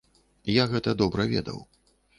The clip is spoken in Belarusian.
Я гэта добра ведаў.